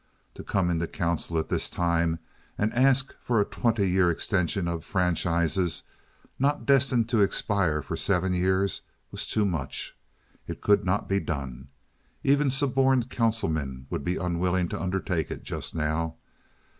To come into council at this time and ask for a twenty year extension of franchises not destined to expire for seven years was too much. It could not be done. Even suborned councilmen would be unwilling to undertake it just now.